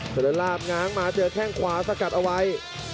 เจริญลาบง้างมาเจอแข้งขวาสกัดเอาไว้